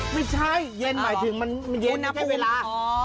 ไม่ใช่เย็นหมายถึงมันเย็นนะแค่เวลา